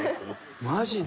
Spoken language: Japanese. マジで？